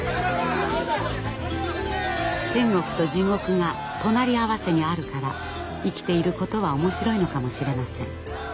天国と地獄が隣り合わせにあるから生きていることは面白いのかもしれません。